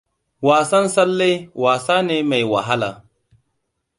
Wasan tsalle wasa ne mai wahala.